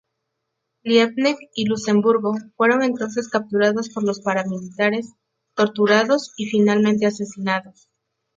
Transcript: Liebknecht y Luxemburgo fueron entonces capturados por los paramilitares, torturados y finalmente asesinados.